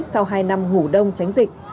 sau hai năm hủ đông tránh dịch